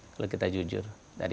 kalau kita jujur